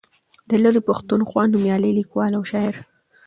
د لرې پښتونخوا نومیالی لیکوال او شاعر